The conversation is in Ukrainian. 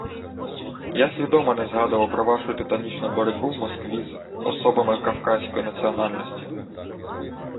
Я свідомо не згадував про вашу титанічну боротьбу в Москві з «особами кавказької національності»